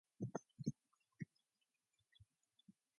Another of his well-known works is Okay!